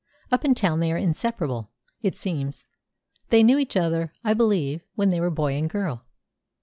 Up in town they are inseparable, it seems. They knew each other, I believe, when they were boy and girl."